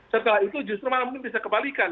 setelah itu justru malam ini bisa kebalikan